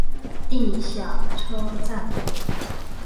地下车站。